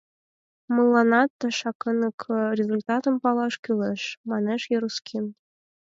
— Мыланна тышакынак результатым палаш кӱлеш, — манеш Ярускин.